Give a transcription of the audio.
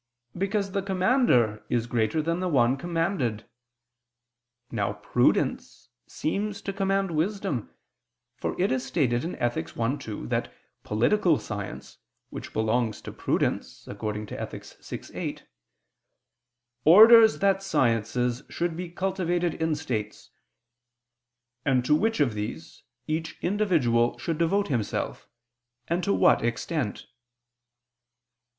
Because the commander is greater than the one commanded. Now prudence seems to command wisdom, for it is stated in Ethic. i, 2 that political science, which belongs to prudence (Ethic. vi, 8), "orders that sciences should be cultivated in states, and to which of these each individual should devote himself, and to what extent."